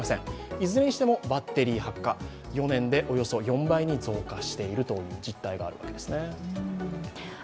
いずれにしてもバッテリー発火４年でおよそ４倍に増加しているという実態があるんですね。